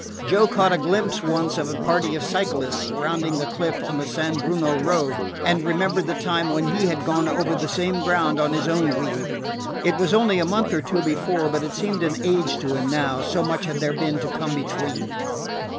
Joe caught a glimpse, once, of a party of cyclists rounding a cliff on the San Bruno Road, and remembered the time when he had gone over the same ground on his own wheel. It was only a month or two before, but it seemed an age to him now, so much had there been to come between.